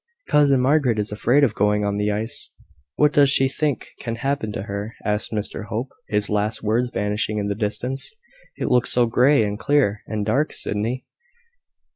"Cousin Margaret is afraid of going on the ice!" "What does she think can happen to her?" asked Mr Hope, his last words vanishing in the distance. "It looks so grey, and clear, and dark, Sydney."